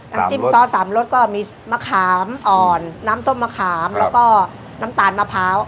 น้ำจิ้มซอสสามรสก็มีมะขามอ่อนน้ำต้มมะขามแล้วก็น้ำตาลมะพร้าว